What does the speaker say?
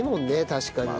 確かに。